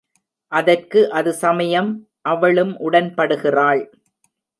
அதற்கு அது சமயம் அவளும் உடன்படுகிறாள்.